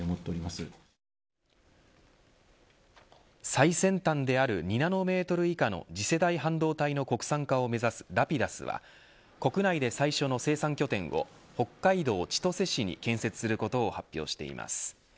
最先端である２ナノメートル以下の次世代半導体の国産化を目指すラピダスは国内で最初の生産拠点を北海道千歳市に建設することを発表しています。